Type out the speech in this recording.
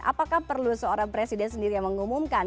apakah perlu seorang presiden sendiri yang mengumumkan